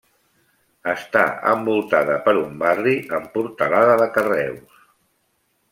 Està envoltada per un barri amb portalada de carreus.